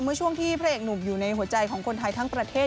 เมื่อช่วงที่พระเอกหนุ่มอยู่ในหัวใจของคนไทยทั้งประเทศ